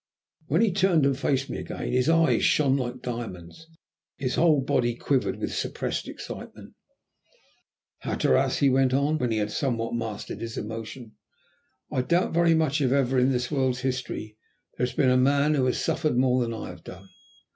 When he turned and faced me again his eyes shone like diamonds, while his body quivered with suppressed excitement. "Hatteras," he went on, when he had somewhat mastered his emotion, "I doubt very much if ever in this world's history there has been a man who has suffered more than I have done.